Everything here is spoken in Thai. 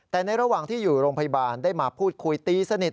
แต่ในระหว่างที่อยู่โรงพยาบาลได้มาพูดคุยตีสนิท